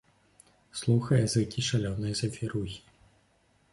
Слухае зыкі шалёнай завірухі.